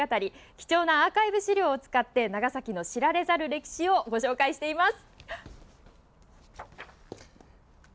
貴重なアーカイブス資料を使って長崎の知られざる歴史をご紹介しています。